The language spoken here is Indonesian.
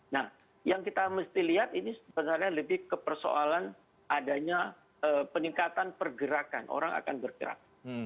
nah yang kita mesti lihat ini sebenarnya lebih ke persoalan adanya peningkatan pergerakan orang akan bergerak